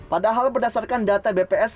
padahal berdasarkan data bps